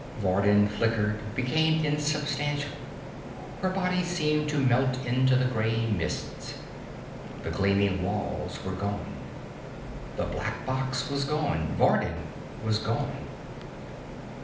Vardin flickered, became insubstantial. Her body seemed to melt into the gray mists. The gleaming walls were gone. The black box was gone. Vardin was gone.